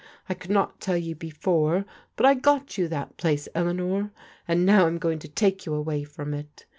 I could not tell you before, but I got you that place, Eleanor, and now I'm going to take you away from it.